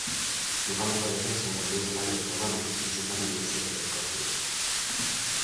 No campo da defensa con dous grandes programas, de submarinos e de helicópteros.